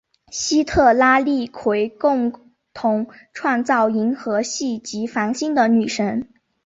西特拉利奎共同创造银河系及繁星的女神。